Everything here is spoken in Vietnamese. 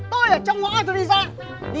tôi ở trong ngõ tôi đi ra